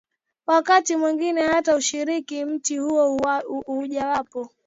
wakati mwingine hata kushiriki mti huo Mojawapo